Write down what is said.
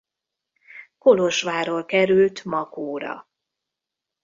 Kolozsvárról került Makóra.